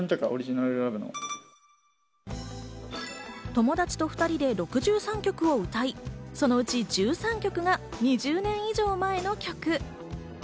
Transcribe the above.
友達と２人で６３曲を歌い、そのうち１３曲が２０年以上前の曲。